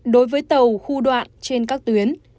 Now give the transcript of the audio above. đối với tàu khu đoạn trên các tuyến